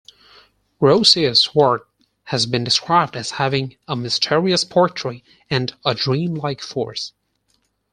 Rousseau's work has been described as having a "mysterious poetry" and a "dreamlike force".